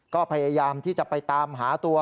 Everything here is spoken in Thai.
ก็พยายามที่จะไปตามหาตัว